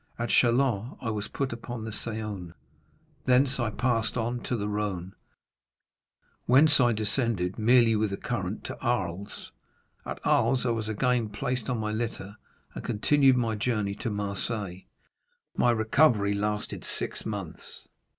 At Châlons I was put upon the Saône, thence I passed on to the Rhône, whence I descended, merely with the current, to Arles; at Arles I was again placed on my litter, and continued my journey to Marseilles. My recovery lasted six months.